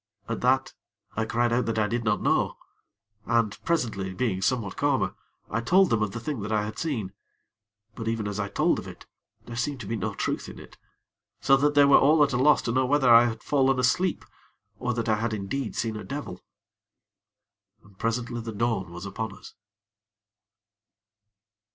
At that, I cried out that I did not know, and, presently, being somewhat calmer, I told them of the thing that I had seen; but even as I told of it, there seemed to be no truth in it, so that they were all at a loss to know whether I had fallen asleep, or that I had indeed seen a devil. And presently the dawn was upon us.